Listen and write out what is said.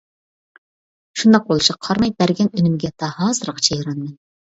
شۇنداق بولۇشىغا قارىماي، بەرگەن ئۈنۈمىگە تا ھازىرغىچە ھەيرانمەن.